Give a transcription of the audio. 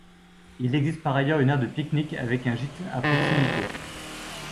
Il existe par ailleurs une aire de pique-nique avec un gîte à proximité.